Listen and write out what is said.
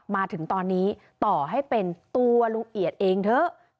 มาถึงตอนนี้ต่อให้เป็นตัวลุงเอียดเองเถอะ